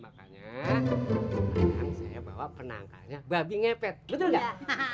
makanya sekarang saya bawa penangkanya babi ngepet betul nggak